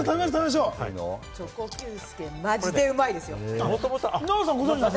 チョコＱ助、マジうまいですよ。